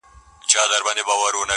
o له تودې سینې را وځي نور ساړه وي,